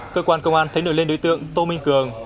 cơ quan công an thấy nổi lên đối tượng tô minh cường